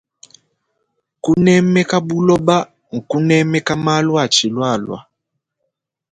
Kunemeka buloba nkunemeka malu atshilualua.